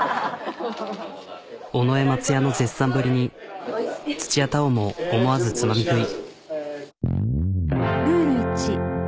尾上松也の絶賛ぶりに土屋太鳳も思わずつまみ食い。